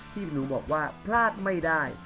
ที่พี่หนูบอกว่าพลาดไม่ได้